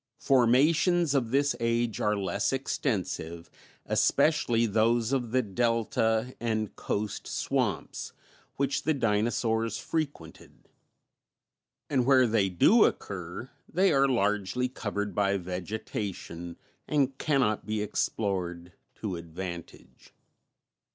Formations of this age are less extensive, especially those of the delta and coast swamps which the dinosaurs frequented. And where they do occur, they are largely covered by vegetation and cannot be explored to advantage.